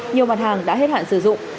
nhiều mặt hàng đã hết hạn sử dụng